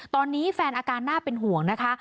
ตอนนี้แฟนอาการน่าเป็นห่วงนะคะ